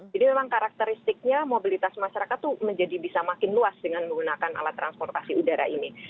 jadi memang karakteristiknya mobilitas masyarakat tuh bisa makin luas dengan menggunakan alat transportasi udara ini